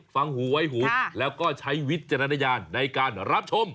ฟังหูไว้หูแล้วก็ใช้วิจารณญาณในการรับชม